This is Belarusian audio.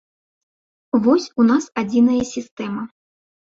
Вось у нас адзіная сістэма.